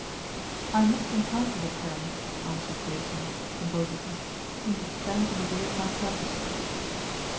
"I must encounter the peril," answered Jason composedly, "since it stands in the way of my purpose."